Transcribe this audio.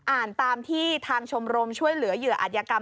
อ่านตามที่ทางชมรมช่วยเหลือเหยื่ออัธยกรรม